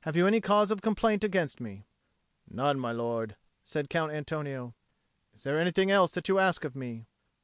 Have you any cause of complaint against me?" "None, my lord," said Count Antonio. "Is there anything that you ask of me?"